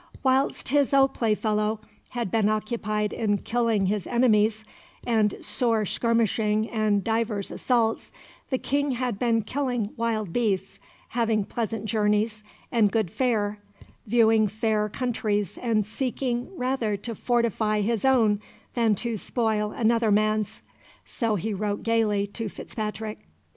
Whilst his old playfellow had been occupied in killing his enemies, and sore skirmishing and divers assaults, the King had been killing wild beasts, having pleasant journeys and good fare, viewing fair countries, and seeking rather to fortify his own than to spoil another man's so he wrote gaily to Fitzpatrick.